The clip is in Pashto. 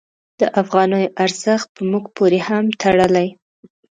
د افغانیو ارزښت په موږ پورې هم تړلی.